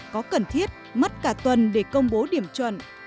có cần thiết mất cả tuần để công bố điểm chuẩn